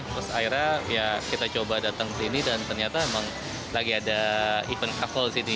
terus akhirnya ya kita coba datang ke sini dan ternyata emang lagi ada event kaffle di sini